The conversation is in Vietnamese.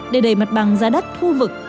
để đầy mặt bằng giá đất khu vực